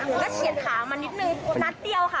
แล้วก็เฉียดขามานิดนึงนัดเดียวค่ะ